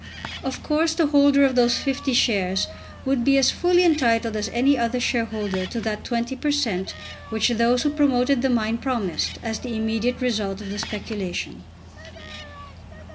Of course the holder of these 50 shares would be as fully entitled as any other shareholder to that 20 per cent. which those who promoted the mine promised as the immediate result of the speculation.